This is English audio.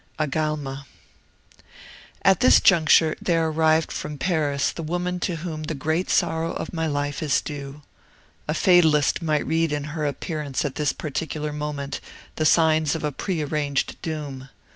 VII AGALMA "At this juncture there arrived from Paris the woman to whom the great sorrow of my life is due. A fatalist might read in her appearance at this particular moment the signs of a prearranged doom.